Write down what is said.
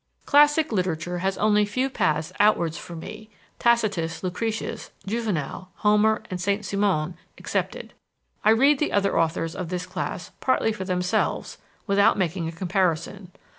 Classic literature has only few paths outwards for me Tacitus, Lucretius, Juvenal, Homer, and Saint Simon excepted. I read the other authors of this class partly for themselves, without making a comparison.